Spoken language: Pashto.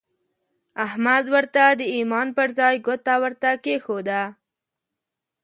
احمد ورته د ايمان پر ځای ګوته ورته کېښوده.